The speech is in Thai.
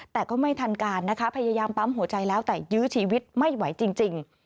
แต่ก็ไม่ทันการนะคะพยายามปั๊มหัวใจแล้วแต่ยื้อชีวิตไม่ไหวจริง